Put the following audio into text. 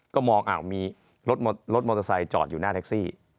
ก็มองมีรถมอเตอร์ไซค์จอดอยู่หน้าแท็กซี่